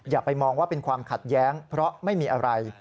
อย่าไปมองว่าเป็นความขัดแย้งเพราะไม่มีอะไร